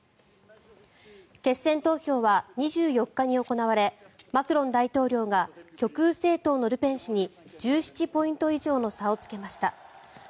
決選投票は２４日に行われマクロン大統領が極右政党のルペン氏に１７ポイント以上の差をつけました。